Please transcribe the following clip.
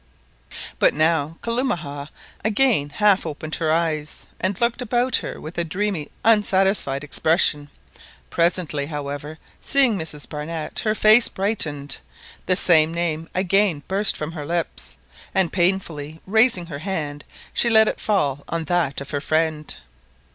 But now Kalumah again half opened her eyes, and looked about her with a dreamy unsatisfied expression, presently, however, seeing Mrs Barnett, her face brightened, the same name again burst from her lips, and painfully raising her hand she let it fall on that of her friend.